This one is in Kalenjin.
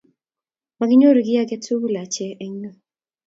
Makinyoru kiy age tugul ache eng yu